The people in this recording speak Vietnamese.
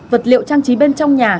vật liệu trang trí bên trong nhà